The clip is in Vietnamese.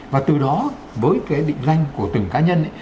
và từ đó với cái định danh của từng cá nhân